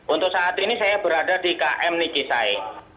untuk saat ini saya berada di km nikisai